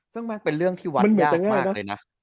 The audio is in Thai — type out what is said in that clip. ซึ่งมันเป็นเรื่องที่วัดยากมากเลยนะ